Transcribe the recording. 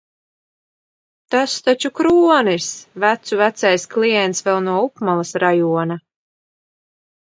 Tas taču Kronis! Vecu vecais klients vēl no upmalas rajona.